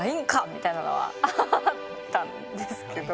みたいなのはあったんですけど。